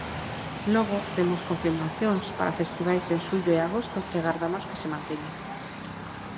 Logo temos confirmacións para festivais en xullo e agosto que agardamos que se manteñan.